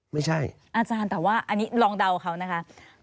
ไม่ใช่คุณพีทอาจารย์แต่ว่าอันนี้ลองเดาเขานะคะ